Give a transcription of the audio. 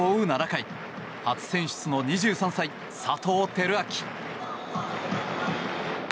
７回初選出の２３歳、佐藤輝明。